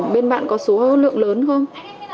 bên bạn có số lượng lớn không